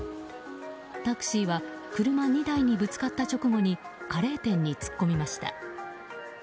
タクシーは車２台にぶつかった直後にカレー店に突っ込みました。